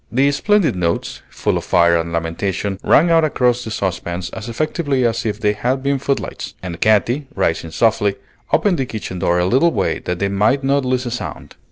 The splendid notes, full of fire and lamentation, rang out across the saucepans as effectively as if they had been footlights; and Katy, rising softly, opened the kitchen door a little way that they might not lose a sound.